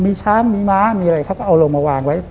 มีช้างมีม้ามีอะไรเขาก็เอาลงมาวางไว้